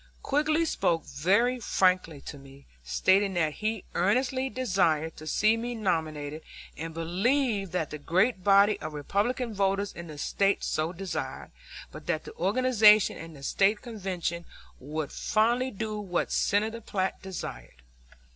Quigg spoke very frankly to me, stating that he earnestly desired to see me nominated and believed that the great body of Republican voters in the State so desired, but that the organization and the State Convention would finally do what Senator Platt desired.